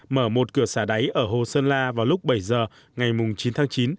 mở một cửa xả đáy ở hồ sơn la vào lúc bảy giờ ngày chín tháng chín